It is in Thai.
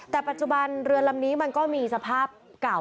แต่ปัจจุบันเรือลำนี้มันก็มีสภาพเก่า